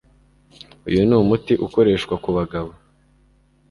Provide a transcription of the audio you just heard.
Uyu ni umuti ukoreshwa ku bagabo